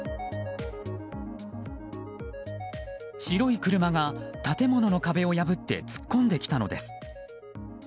白い車が建物の壁を破って突っ込んできたのです。